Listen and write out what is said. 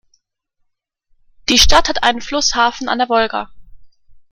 Die Stadt hat einen Flusshafen an der Wolga.